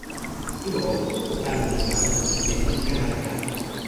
ilo o, kulupu pali mi la o toki te "mi ken ala kama".